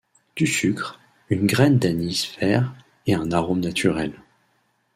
Du sucre, une graine d'anis vert et un arôme naturel.